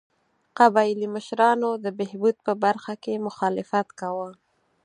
قبایلي مشرانو د بهبود په برخه کې مخالفت کاوه.